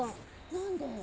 何で？